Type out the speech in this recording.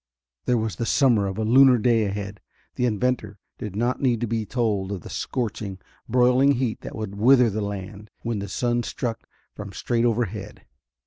There was the summer of a lunar day ahead; the inventor did not need to be told of the scorching, broiling heat that would wither the land when the sun struck from straight overhead.